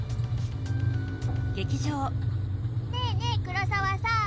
ねえねえ黒沢さん。